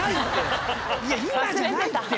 今じゃないって。